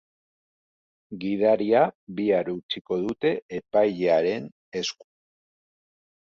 Gidaria bihar utziko dute epailearen esku.